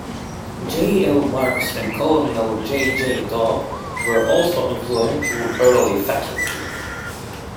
J. L. Marks and Colonel J. J. Daub were also influential early faculty.